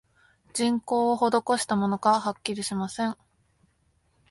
人工をほどこしたものか、はっきりしません